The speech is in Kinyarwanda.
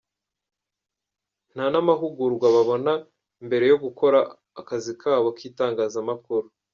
Nta n’amahugurwa babona mbere yo gukora akazi kabo k’itangazamakuru.